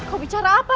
kau bicara apa